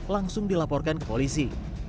langsung dilaporkan ke polisi